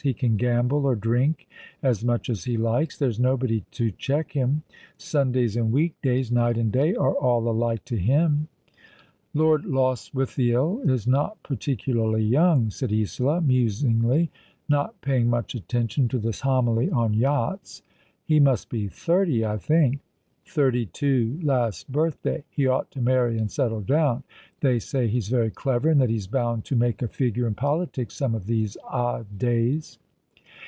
He can gamble — or drink — as much as he likes. There's nobody to check him. Sundays and weekdays, night and day, are all alike to him." *' Lord Lostwithiel is not particularly young," said Isola, musingly, not paying much attention to this homily on yachts. " He must be thirty, I think." " Thirty two last birthday. He ought to marry and settle down. They say he's very clever, and that he's bound to make a figure in politics some of these odd days."